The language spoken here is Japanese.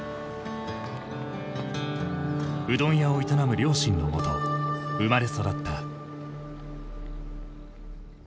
うどん屋を営む両親のもと生まれ育った。